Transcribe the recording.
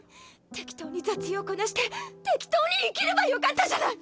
適当に雑用こなして適当に生きればよかったじゃない。